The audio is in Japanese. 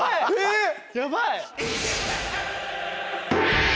やばい！